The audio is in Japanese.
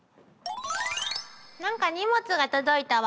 なんか荷物が届いたわ。